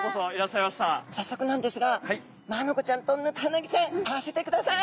さっそくなんですがマアナゴちゃんとヌタウナギちゃん会わせてください。